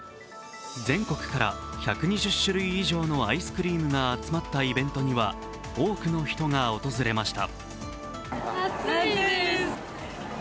全国から１２０種類以上のアイスクリームが集まったイベントには多くの人が訪れました。